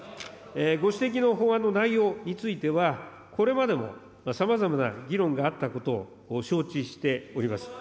ご指摘の法案の内容については、これまでもさまざまな議論があったことを承知しております。